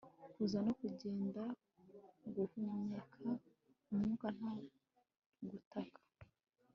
kuza no kugenda, guhumeka umwuka, nta gutaka